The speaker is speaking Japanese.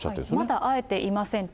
まだ会えていませんと。